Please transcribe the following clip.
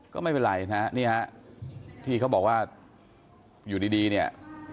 ก็ไม่เป็นไรนะฮะนี่ฮะที่เขาบอกว่าอยู่ดีเนี่ย